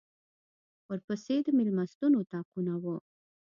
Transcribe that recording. ورپسې د مېلمستون اطاقونه و.